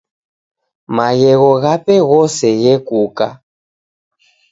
Maghegho ghape ghose ghekuka.